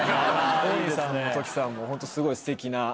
王林さんもときさんもホントすごいステキな。